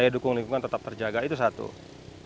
yang kedua memang di perda kepariwisataan yang kita sudah punya